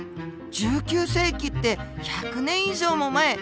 １９世紀って１００年以上も前！